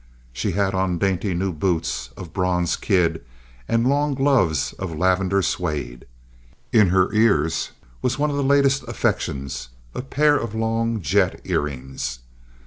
She had on dainty new boots of bronze kid and long gloves of lavender suede. In her ears was one of her latest affectations, a pair of long jet earrings.